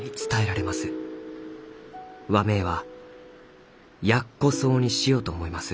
和名は『ヤッコソウ』にしようと思います」。